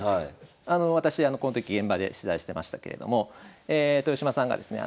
私この時現場で取材してましたけれども豊島さんがですね